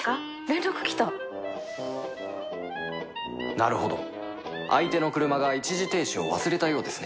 なるほど相手の車が一時停止を忘れたようですね